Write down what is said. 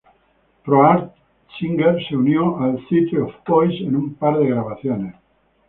Pro Arte Singers se unió al Theatre of Voices en un par de grabaciones.